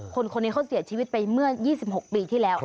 คนนี้เขาเสียชีวิตไปเมื่อ๒๖ปีที่แล้ว